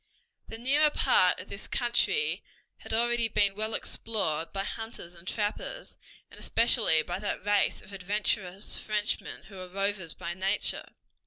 The nearer part of this country had already been well explored by hunters and trappers, and especially by that race of adventurous Frenchmen who were rovers by nature.